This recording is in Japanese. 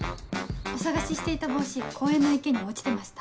お捜ししていた帽子公園の池に落ちてました。